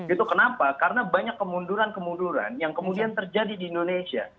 itu kenapa karena banyak kemunduran kemunduran yang kemudian terjadi di indonesia